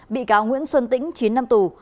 bị cáo nguyễn xuân tĩnh chín năm tù